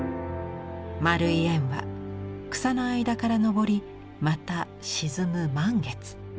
丸い円は草の間から昇りまた沈む満月。